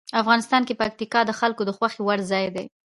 افغانستان کې پکتیا د خلکو د خوښې وړ ځای دی.